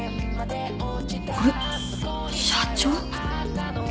これ社長？